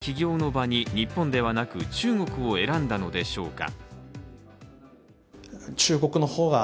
なぜ起業の場に日本ではなく中国を選んだのでしょうか。